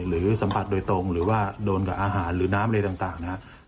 หรือสัมผัสโดยตรงหรือว่าโดนกับอาหารหรือน้ำอะไรต่างนะครับ